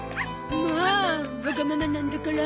もうわがままなんだから。